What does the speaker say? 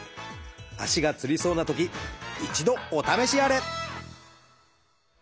足がつりそうなとき一度お試しあれ！